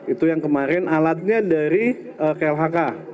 itu yang kemarin alatnya dari klhk